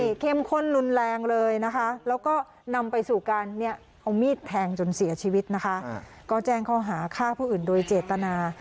นี่เข้มข้นรุนแรงเลยนะคะแล้วก็นำไปสู่การเนี่ยเอามีดแทงจนเสียชีวิตนะคะก็แจ้งข้อหาฆ่าผู้อื่นโดยเจตนา